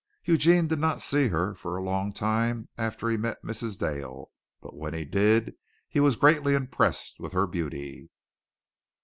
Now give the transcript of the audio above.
Eugene did not see her for a long time after he met Mrs. Dale, but when he did, he was greatly impressed with her beauty.